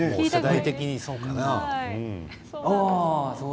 世代的には、そうかもね。